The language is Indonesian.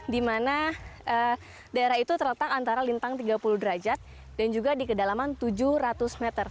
di mana daerah itu terletak antara lintang tiga puluh derajat dan juga di kedalaman tujuh ratus meter